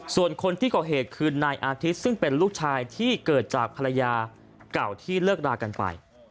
ส่วนคนที่ก่อเหตุคือนายอาทิตย์ซึ่งเป็นลูกชายที่เกิดจากภรรยาเก่าที่เลิกรากันไป